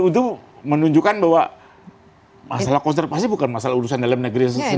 itu menunjukkan bahwa masalah konservasi bukan masalah urusan dalam negeri sendiri